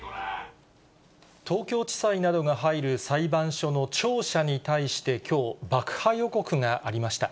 東京地裁などが入る裁判所の庁舎に対して、きょう、爆破予告がありました。